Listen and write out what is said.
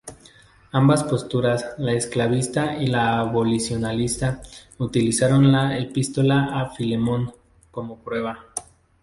Ambas posturas, la esclavista y la abolicionista, utilizaron la "Epístola a Filemón" como prueba.